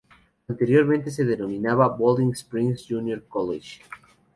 Anteriormente se denominaba "Boiling Springs Junior College".